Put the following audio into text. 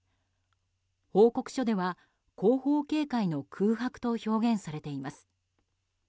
報告書では、後方警戒の空白と表現されています。